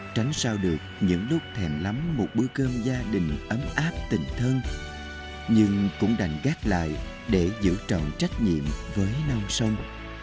tránh sao được những lúc thèm lắm một bữa cơm gia đình ấm áp tình thân nhưng cũng đành gác lại để giữ trọn trách nhiệm với non sông